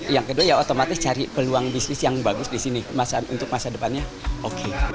yang kedua ya otomatis cari peluang bisnis yang bagus di sini untuk masa depannya oke